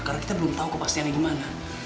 karena kita belum tahu kepastiannya gimana